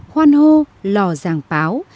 khoan hô lò giàng páo